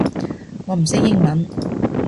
我唔識英文